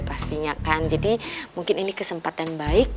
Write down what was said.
pastinya kan jadi mungkin ini kesempatan baik